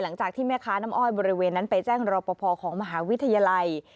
หลังจากที่แม่ค้าน้ำอ้อยบริเวณนั้นไปแจ้งรอปภของมหาวิทยาลัย